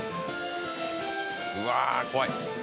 うわ怖い。